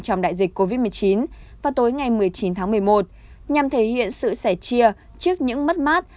trong đại dịch covid một mươi chín vào tối ngày một mươi chín tháng một mươi một nhằm thể hiện sự sẻ chia trước những mất mát